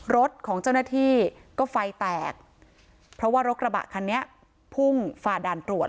รถของเจ้าหน้าที่ก็ไฟแตกเพราะว่ารถกระบะคันนี้พุ่งฝ่าด่านตรวจ